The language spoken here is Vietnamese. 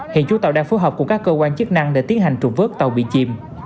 hiện chủ tàu đang phối hợp cùng các cơ quan chức năng để tiến hành trục vớt tàu bị chìm